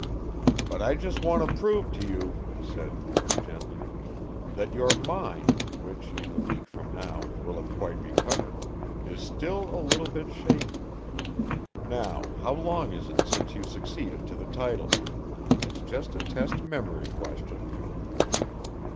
"But I just want to prove to you," said Hoover, gently, "that your mind, which in a week from now, will have quite recovered, is still a little bit shaky now how long is it since you succeeded to the title? It's just a test memory question."